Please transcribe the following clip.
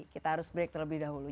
kita harus break terlebih dahulu